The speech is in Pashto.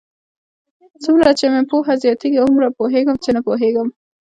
څومره چې مې پوهه زیاتېږي، هومره پوهېږم؛ چې نه پوهېږم.